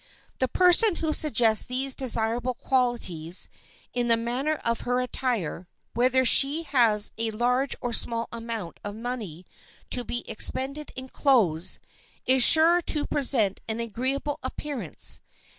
The person who suggests these desirable qualities in the manner of her attire, whether she has a large or a small amount of money to be expended in clothes, is sure to present an agreeable appearance.